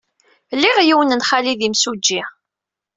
Liɣ yiwen n xali d imsujji.